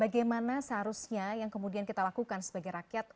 bagaimana seharusnya yang kemudian kita lakukan sebagai rakyat